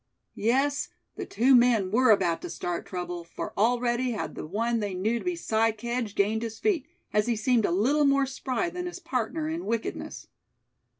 Yes, the two men were about to start trouble, for already had the one they knew to be Si Kedge gained his feet, as he seemed a little more spry than his partner in wickedness.